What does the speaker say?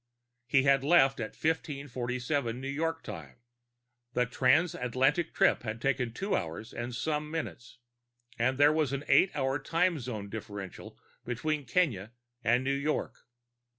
He had left at 1547 New York time; the transatlantic trip had taken two hours and some minutes, and there was an eight hour time zone differential between Kenya and New York.